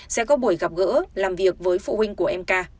sẽ có buổi gặp gỡ làm việc với phụ huynh của em ca